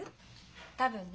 多分ね。